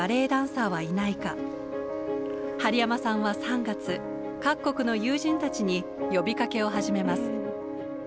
針山さんは３月各国の友人たちに呼びかけを始めます。